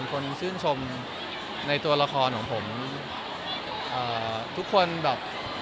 คนชื่นชมในตัวละครของผมทุกคนแบบ